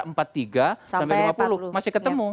empat tiga sampai lima puluh masih ketemu